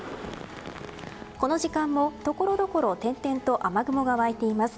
この時間も、ところどころ点々と雨雲が湧いています。